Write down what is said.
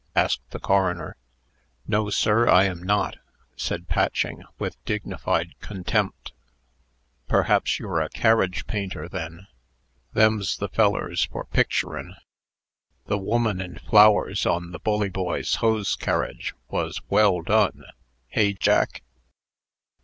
asked the coroner. "No, sir; I am not," said Patching, with dignified contempt. "Perhaps you're a carriage painter, then? Them's the fellers for picturin'. The woman and flowers on the Bully Boys' hose carriage wos well done. Hey, Jack?"